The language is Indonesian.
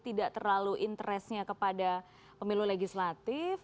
tidak terlalu interestnya kepada pemilu legislatif